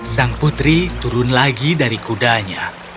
sang putri turun lagi dari kudanya